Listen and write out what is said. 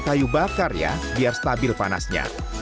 kayu bakar ya biar stabil panasnya